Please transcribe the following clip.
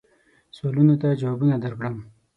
سوالونو ته جوابونه درکړم.